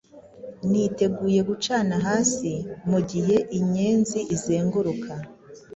Niteguye gucana hasi, Mugihe inyenzi izenguruka